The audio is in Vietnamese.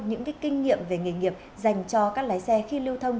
những kinh nghiệm về nghề nghiệp dành cho các lái xe khi lưu thông